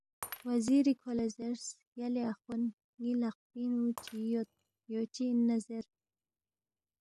وزیری کھو لہ زیرس یلے اخوند ن٘ی لقپِنگ نُو چی یود یو چِہ اِننا زیر